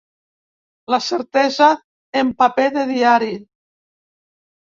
La certesa en paper de diari.